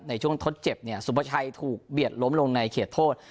ในช่วงทดเจ็บเนี่ยสุภาชัยถูกเบียดล้มลงในเขตโทษ